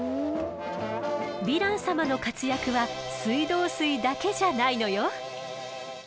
ヴィラン様の活躍は水道水だけじゃないのよ。